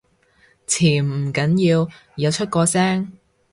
潛唔緊要，有出過聲